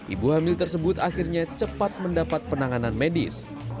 ibu hamil tersebut akhirnya cepat mendapat penanganan medis